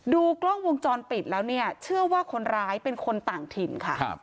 ดูกล้องวงจรปิดแล้วเนี่ยเชื่อว่าคนร้ายเป็นคนต่างถิ่นค่ะ